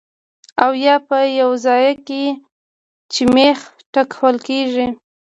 او يا پۀ يو ځائے کې چې مېخ ټکوهلی کيږي